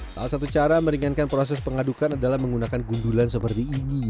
salah satu cara meringankan proses pengadukan adalah menggunakan gundulan seperti ini